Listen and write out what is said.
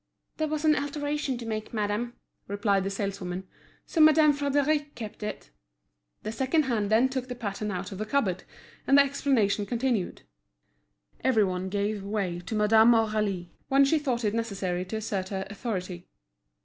"There was an alteration to make, madame," replied the saleswoman, "so Madame Frédéric kept it." The second hand then took the pattern out of a cupboard, and the explanation continued. Every one gave way to Madame Aurélie, when she thought it necessary to assert her authority.